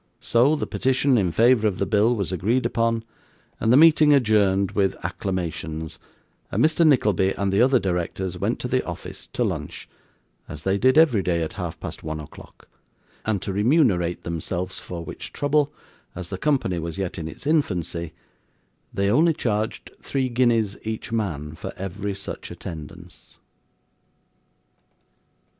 So, the petition in favour of the bill was agreed upon, and the meeting adjourned with acclamations, and Mr. Nickleby and the other directors went to the office to lunch, as they did every day at half past one o'clock; and to remunerate themselves for which trouble, (as the company was yet in its infancy,) they only charged three guineas each man for every such attendance.